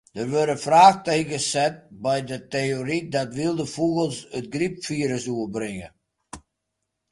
Der wurde fraachtekens set by de teory dat wylde fûgels it grypfirus oerbringe.